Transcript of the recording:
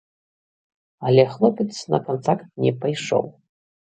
Але хлопец на кантакт не пайшоў.